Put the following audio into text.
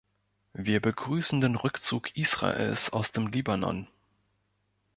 Wir begrüßen den Rückzug Israels aus dem Libanon.